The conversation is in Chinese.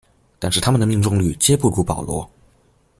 但是它们的命中率皆不如保罗。